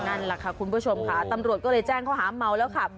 นั่นแหละค่ะคุณผู้ชมค่ะตำรวจก็เลยแจ้งเขาหาเมาแล้วขับ